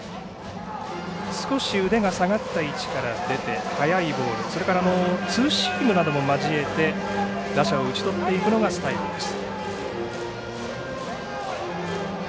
少し腕が下がった位置から出て速いボールそれからツーシームなども交えて打者を打ち取っていくのがスタイルです。